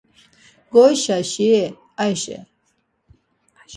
Goişaşi-i Ayşe.